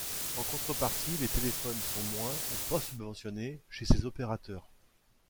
En contrepartie, les téléphones sont moins ou pas subventionnés chez ces opérateurs.